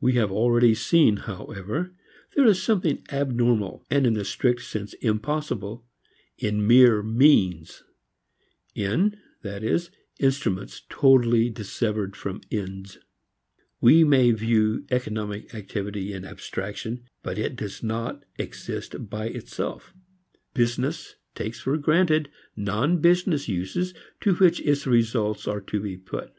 We have already seen, however, there is something abnormal and in the strict sense impossible in mere means, in, that is, instruments totally dissevered from ends. We may view economic activity in abstraction, but it does not exist by itself. Business takes for granted non business uses to which its results are to be put.